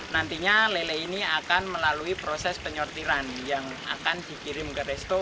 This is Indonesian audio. nantinya lele ini akan melalui proses penyortiran yang akan dikirim ke resto